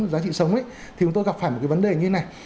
giá trị sống ấy thì chúng tôi gặp phải một cái vấn đề như này